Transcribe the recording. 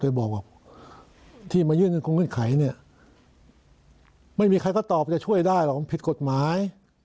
บอกว่าที่มายื่นเงินคงเงื่อนไขเนี่ยไม่มีใครก็ตอบจะช่วยได้หรอกมันผิดกฎหมาย